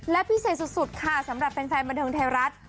และพิเศษสุดค่ะสำหรับแฟนบันเทิงไทยรัฐ